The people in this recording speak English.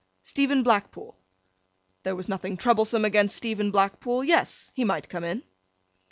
Stephen Blackpool. There was nothing troublesome against Stephen Blackpool; yes, he might come in.